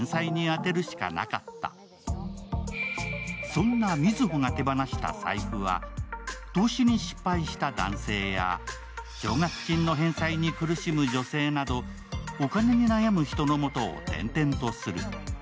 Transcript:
そんなみづほが手放した財布は投資に失敗した男性や奨学金の返済に苦しむ女性などお金に悩む人の元を転々とする。